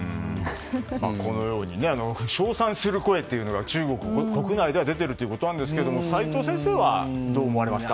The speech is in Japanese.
このように、称賛する声が中国国内では出ているということですが齋藤先生はどう思われますか？